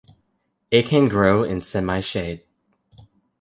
It can grow in semi-shade.